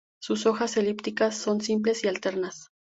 Sus hojas elíptica son simples y alternas.